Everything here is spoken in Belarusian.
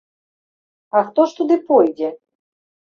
А хто ж туды пойдзе?